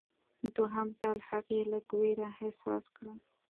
دوهم ځل هغې لږ ویره احساس کړه.